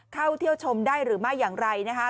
เข้าเที่ยวชมได้หรือไม่อย่างไรนะคะ